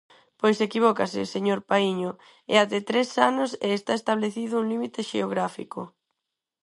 Pois equivócase, señor Paíño, é ata tres anos e está establecido un límite xeográfico.